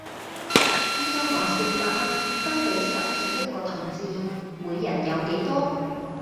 依家我四百蚊分俾十二億個同志，每人有幾多?